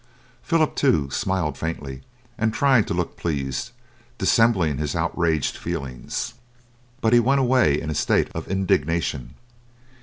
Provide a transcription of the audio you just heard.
Philip, too, smiled faintly, and tried to look pleased, dissembling his outraged feelings, but he went away in a state of indignation.